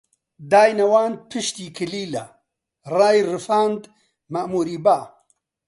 داینەواند پشتی کلیلە، ڕایڕفاند مەئمووری با